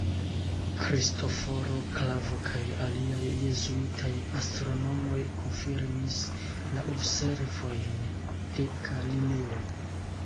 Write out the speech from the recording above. Kristoforo Klavo kaj aliaj jezuitaj astronomoj konfirmis la observojn de Galileo.